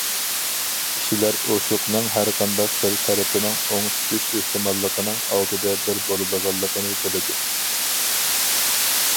كىشىلەر ئوشۇقنىڭ ھەر قانداق بىر تەرىپىنىڭ ئوڭ چۈشۈش ئېھتىماللىقىنىڭ ئالتىدە بىر بولىدىغانلىقىنى بىلىدۇ.